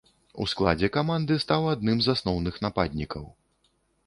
У складзе каманды стаў адным з асноўных нападнікаў.